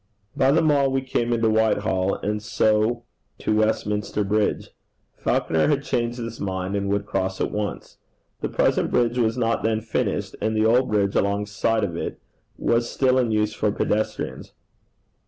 By the Mall we came into Whitehall, and so to Westminster Bridge. Falconer had changed his mind, and would cross at once. The present bridge was not then finished, and the old bridge alongside of it was still in use for pedestrians.